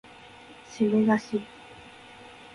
しめだし